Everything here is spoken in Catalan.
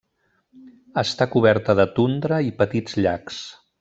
Està coberta de tundra i petits llacs.